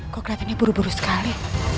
kok kelihatannya buru buru sekali